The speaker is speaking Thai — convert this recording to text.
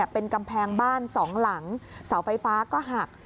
เป็นกำแพงบ้าน๒หลังเสาไฟฟ้าก็หัก